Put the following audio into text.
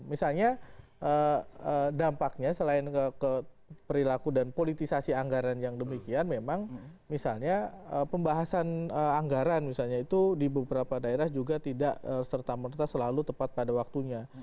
misalnya dampaknya selain ke perilaku dan politisasi anggaran yang demikian memang misalnya pembahasan anggaran misalnya itu di beberapa daerah juga tidak serta merta selalu tepat pada waktunya